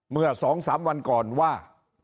เมื่อ๒๓วันก่อนว่า